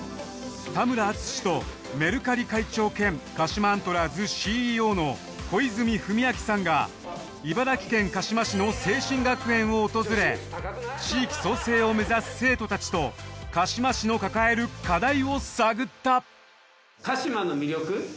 田村淳とメルカリ会長兼鹿島アントラーズＣＥＯの小泉文明さんが茨城県鹿嶋市の清真学園を訪れ地域創生を目指す生徒たちと鹿嶋市の抱える課題を探った。